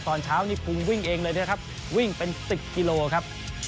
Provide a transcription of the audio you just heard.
ตอนเช้านี่ภูมิวิ่งเองเลยนะครับวิ่งเป็น๑๐กิโลครับ